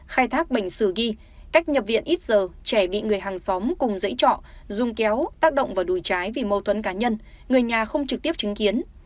khai thác bệnh sử ghi cách nhập viện ít giờ trẻ bị người hàng xóm cùng dãy trọ dùng kéo tác động và đuổi trái vì mâu thuẫn cá nhân người nhà không trực tiếp chứng kiến